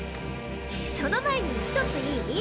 その前にひとついい？